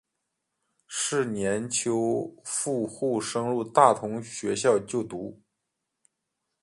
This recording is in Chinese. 是年秋赴沪升入大同学校就读。